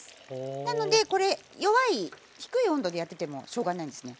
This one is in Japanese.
なのでこれ弱い低い温度でやっててもしょうがないんですね。